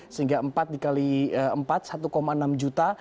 sehingga empat dikali empat satu enam juta